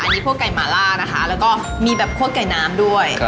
อันนี้พวกไก่หมาล่านะคะแล้วก็มีแบบคั่วไก่น้ำด้วย